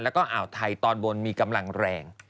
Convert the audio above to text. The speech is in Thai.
แล้วก็อ่าวไทยตอนบนมีกำลังแรง